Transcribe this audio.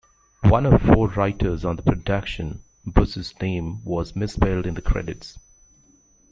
One of four writers on the production, Busch's name was misspelled in the credits.